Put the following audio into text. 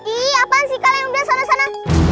ih apaan sih kalian udah sana sana